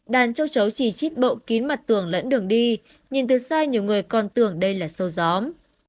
đàn châu chấu chỉ chít bộ kín mặt tường lẫn đường đi nhìn từ xa nhiều người còn tưởng đây là sâu gióm